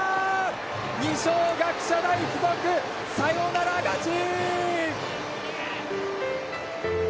二松学舎大付属、サヨナラ勝ち！！